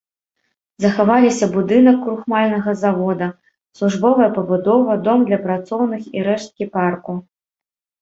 Захаваліся будынак крухмальнага завода, службовая пабудова, дом для працоўных і рэшткі парку.